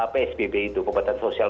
psbb itu pembatasan sosial